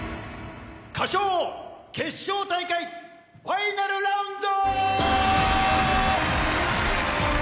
『歌唱王』決勝大会ファイナルラウンド！